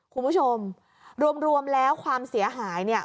คุณผู้ชมรวมแล้วความเสียหายเนี่ย